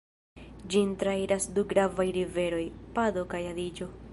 Ĝin trairas du gravaj riveroj, Pado kaj Adiĝo.